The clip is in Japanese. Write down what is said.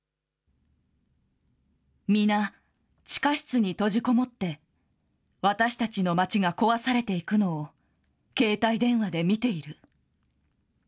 皆、地下室に閉じこもって、私たちの街が壊されていくのを、携帯電話で見ている。